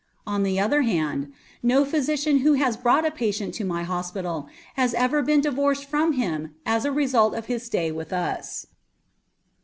On the other hand, no physician who has brought a patient to my hospital has ever been divorced from him as a result of his stay with us.